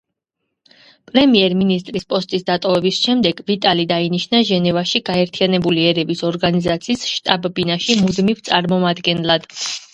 პრემიერ-მინისტრის პოსტის დატოვების შემდეგ, ვიტალი დაინიშნა ჟენევაში გაერთიანებული ერების ორგანიზაციის შტაბ-ბინაში მუდმივ წარმომადგენლად.